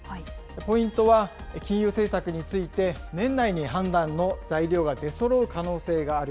ポイントは、金融政策について、年内に判断の材料が出そろう可能性がある。